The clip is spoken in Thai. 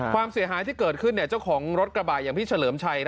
ความเสียหายที่เกิดขึ้นเจ้าของรถกระบะอย่างพี่เฉลิมชัย